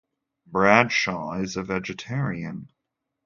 Bradshaw is a vegetarian.